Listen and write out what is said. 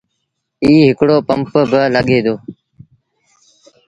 ائيٚݩ هڪڙو پمپ با لڳي دو۔